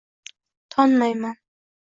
-Tonmayman.